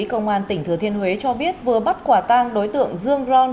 công an tỉnh thừa thiên huế cho biết vừa bắt quả tang đối tượng dương ron